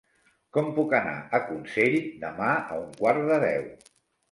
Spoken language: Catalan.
Com puc anar a Consell demà a un quart de deu?